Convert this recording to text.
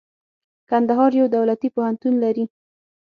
کندهار يو دولتي پوهنتون لري.